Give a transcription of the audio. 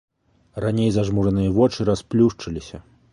Раней зажмураныя вочы расплюшчыліся.